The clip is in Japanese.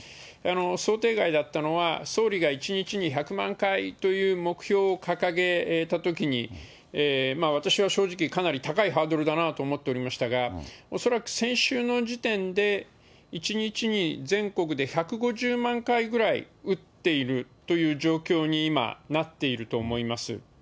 想定外だったのは、総理が１日に１００万回という目標を掲げたときに、私は正直、かなり高いハードルだなと思っておりましたが、恐らく先週の時点で、１日に全国で１５０万回くらい打っているという状況に、今なっていると思います。